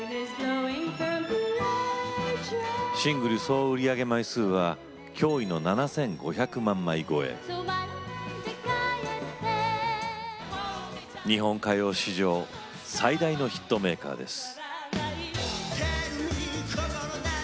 シングル総売上枚数は驚異の日本歌謡史上最大のヒットメーカーです。